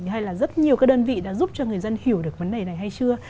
hay là rất nhiều các đơn vị đã giúp cho người dân hiểu được vấn đề này hay chưa